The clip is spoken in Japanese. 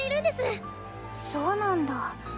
そうなんだ。